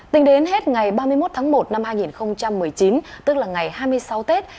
tính đến hết ngày ba mươi một tháng một năm hai nghìn một mươi chín tức là ngày hai mươi sáu tết